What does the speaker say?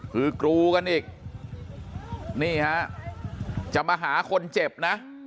คือกรูกันอีกนี่ฮะจะมาหาคนเจ็บนะ